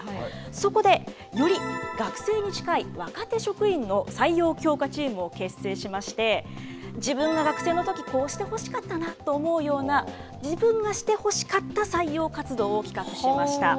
そこで、より学生に近い、若手職員の採用強化チームを結成しまして、自分が学生のとき、こうしてほしかったなと思うような、自分がしてほしかった採用活動を企画しました。